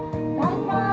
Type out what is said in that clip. kau tak suka jauh